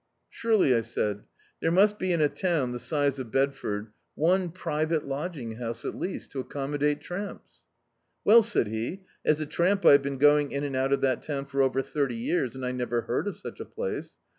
"Surely," I said, "there must be in a town the size of Bedford one private lodging house, at least, to accommodate tramps." "Well," said he, "as a tramp I have been going in and out of that town for over thirty years, and I never heard of such a place.